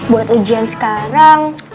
buat ujian sekarang